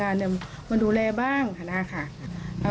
อยากให้หน่วยงานมาดูแลบ้างค่ะไม่ใช่ว่าจัดอยู่ในกลุ่มนู่นกลุ่มนี้